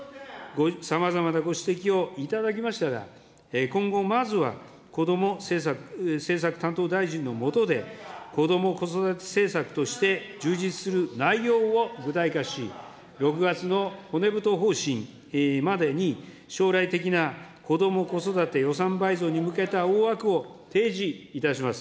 さまざまなご指摘をいただきましたが、今後、まずはこども政策担当大臣の下で、こども・子育て政策として充実する内容を具体化し、６月の骨太方針までに、将来的なこども・子育て予算倍増に向けた大枠を提示いたします。